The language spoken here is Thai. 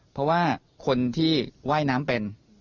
เพราะว่าคนที่ว่ายน้ำเป็น